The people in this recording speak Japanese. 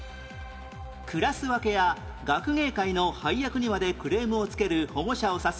クラス分けや学芸会の配役にまでクレームをつける保護者を指す